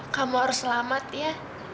kamu harus selamat ya